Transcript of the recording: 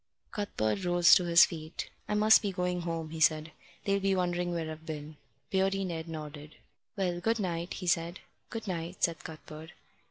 Cuthbert rose to his feet. "I must be going home," he said. "They'll be wondering where I've been." Beardy Ned nodded. "Well, good night," he said. "Good night," said Cuthbert.